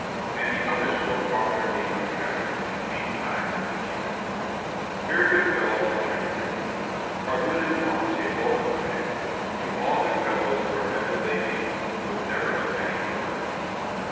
And the others broke off their game of hazard to beat time with the pewter : Here, good fellow, I drink to thee — Pardona moy, je vous an prie To all good fellows wherever they be, With never a penny of money.